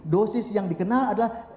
dosis yang dikenal adalah